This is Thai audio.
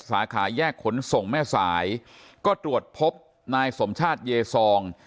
สาขาแยกขนส่งแม่สายก็ตรวจพบนายสมชาติเยซอง